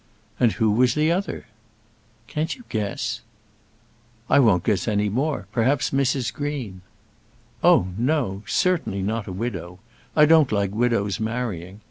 "And who was the other?" "Can't you guess?" "I won't guess any more; perhaps Mrs Green." "Oh, no; certainly not a widow. I don't like widows marrying.